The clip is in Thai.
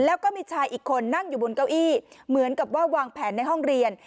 แล้วก็มีชายอีกคนนั่งอยู่บนเก้าอี้เหมือนกับว่าวางแผนในห้องเรียน